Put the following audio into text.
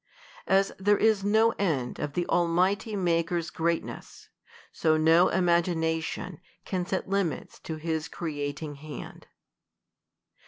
As there is no end of the Almighty Maker's greatness, so no imagina tion can set limits to his creating hand.